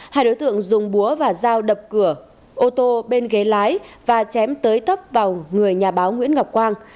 hai đối tượng dùng búa và dao đập cửa ô tô bên ghế lái và chém tới tấp vào người nhà báo nguyễn ngọc quang